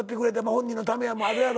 本人のためもあるやろうけど。